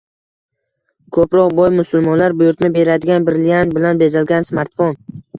ko‘proq boy musulmonlar buyurtma beradigan brilliant bilan bezalgan smartfon: